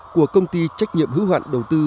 của công ty trách nhiệm hữu hạn đầu tư